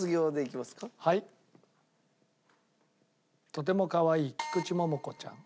とてもかわいい菊池桃子ちゃん。